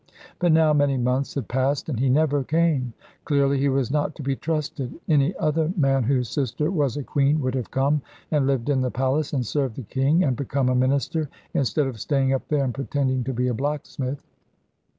But now many months had passed, and he never came. Clearly he was not to be trusted. Any other man whose sister was a queen would have come and lived in the palace, and served the king and become a minister, instead of staying up there and pretending to be a blacksmith.